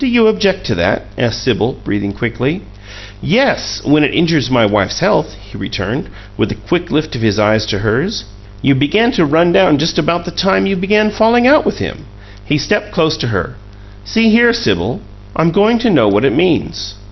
"Do you object to that?" asked Sibyl, breathing quickly. "Yes when it injures my wife's health!" he returned, with a quick lift of his eyes to hers. "You began to run down just about the time you began falling out with him." He stepped close to her. "See here, Sibyl, I'm going to know what it means."